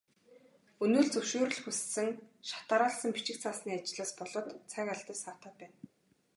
Өнөө л зөвшөөрөл хүссэн шат дараалсан бичиг цаасны ажлаас болоод цаг алдаж саатаад байна.